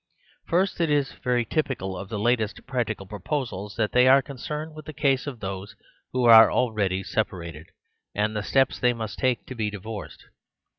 First, it is very typical of the latest prac tical proposals that they are concerned with the case of those who are already separated, and the steps they must take to be divorced.